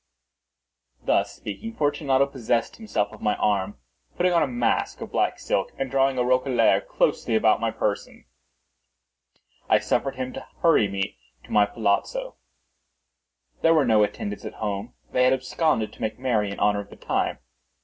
Thus speaking, Fortunato possessed himself of my arm. Putting on a mask of black silk, and drawing a roquelaire closely about my person, I suffered him to hurry me to my palazzo. There were no attendants at home; they had absconded to make merry in honor of the time.